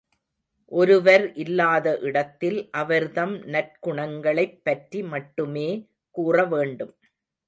ஒருவர் இல்லாத இடத்தில் அவர்தம் நற்குணங்களைப் பற்றி மட்டுமே கூறவேண்டும்.